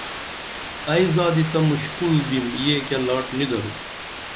ائی زادی تہ مُشکُل بِم یہ کیہ لاٹ نی درو